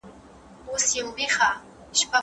که ماشوم ته درناوی وشي نو هغه باادبه لویېږي.